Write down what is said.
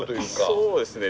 そうですね。